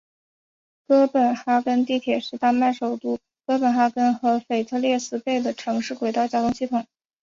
哥本哈根地铁是丹麦首都哥本哈根和腓特烈斯贝的城市轨道交通系统。